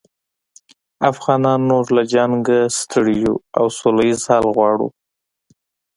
افغانان نور له جنګه ستړي یوو او سوله ییز حل غواړو